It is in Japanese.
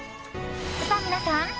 さあ皆さん